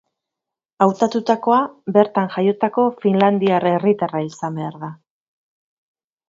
Hautatutakoa bertan jaiotako finlandiar herritarra izan behar da.